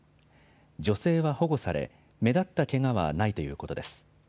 女性は保護され、目立ったけがはないということです。